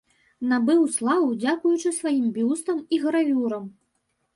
Набыў славу дзякуючы сваім бюстам і гравюрам.